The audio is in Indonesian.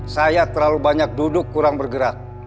saya terlalu banyak duduk kurang bergerak